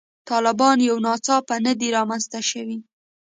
طالبان یو ناڅاپه نه دي رامنځته شوي.